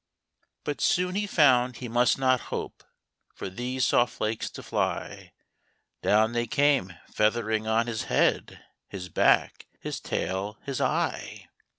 187 But soon he found he must not hope From these soft flakes to fly : Down they came feathering on his head, His back, his tail, his eye